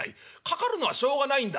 かかるのはしょうがないんだ。